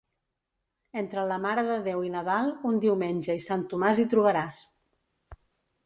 Entre la Mare de Déu i Nadal, un diumenge i Sant Tomàs hi trobaràs.